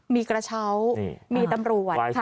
มีกระเช้ามีตำรวจ